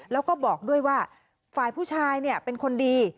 แล้วก็บอกด้วยว่าฝ่ายผู้ชายเป็นคนดี